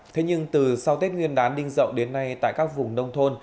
thế nhưng từ sau tết nguyên đán đinh dậu đến nay tại các vùng nông thôn